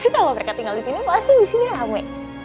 kalau mereka tinggal disini pasti disini rame